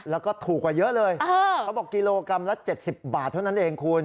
แล้วก็ถูกกว่าเยอะเลยเขาบอกกิโลกรัมละ๗๐บาทเท่านั้นเองคุณ